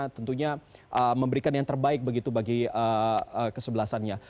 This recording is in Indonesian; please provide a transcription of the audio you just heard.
tentunya memberikan yang terbaik begitu bagi kesebelasannya